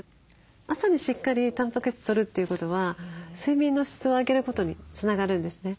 朝にしっかりたんぱく質とるということは睡眠の質を上げることにつながるんですね。